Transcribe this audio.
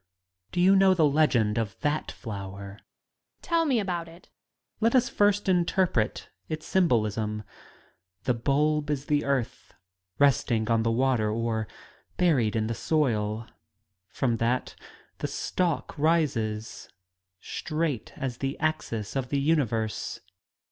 Do you know the legend of that flower? YouNO Lady. Tell me about it. Student. Let us first interpret its symbolismi The bulb is the earth, resting on the water or buried in the soil. From that the stalk rises, straight as the axis of the universe.